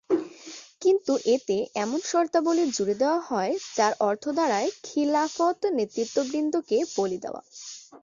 কিন্তু এতে এমন শর্তাবলি জুড়ে দেওয়া হয় যার অর্থ দাঁড়ায় খিলাফত নেতৃবৃন্দকে বলি দেওয়া।